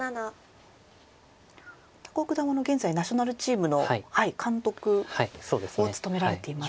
高尾九段は現在ナショナルチームの監督を務められていますね。